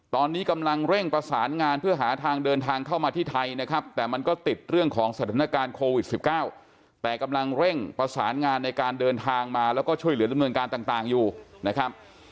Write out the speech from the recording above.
ตอนนี้กำลังเร่งประสานงานเพื่อหาทางเดินทางเข้ามาที่ไทยนะครับแต่มันก็ติดเรื่องของสถานการณ์โควิด๑๙แต่กำลังเร่งประสานงานในการเดินทางมาแล้วก็ช่วยเหลือดำเนินการต่างอยู่นะครับ